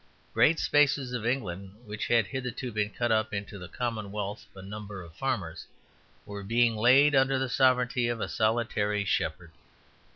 Great spaces of England which had hitherto been cut up into the commonwealth of a number of farmers were being laid under the sovereignty of a solitary shepherd.